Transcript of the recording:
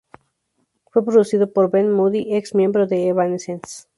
Fue producido por Ben Moody, ex miembro de Evanescence.